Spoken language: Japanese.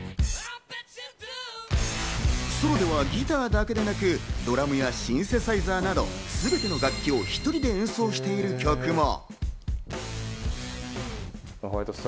ソロではギターだけではなく、ドラムやシンセサイザーなど、すべての楽器を１人で演奏している曲も。